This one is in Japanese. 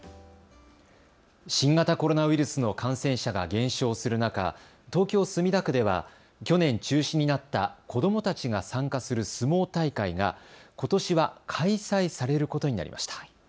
新型コロナウイルスの感染者が減少する中、東京墨田区では去年、中止になった子どもたちが参加する相撲大会がことしは開催されることになりました。